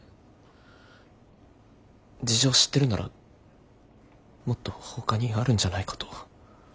事情を知ってるならもっとほかにあるんじゃないかと。